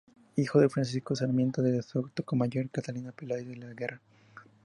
Hijo de Francisco Sarmiento de Sotomayor y Catalina Peláez de la Guerra.